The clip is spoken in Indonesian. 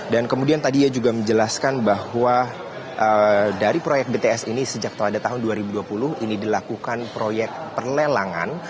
dan kemudian tadi dia juga menjelaskan bahwa dari proyek bts ini sejak pada tahun dua ribu dua puluh ini dilakukan proyek perlelangan